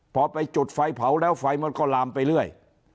พอไปจุดไฟเผาแล้วไฟมันก็ลามไปเรื่อย